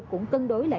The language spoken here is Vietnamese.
cũng cân đối lại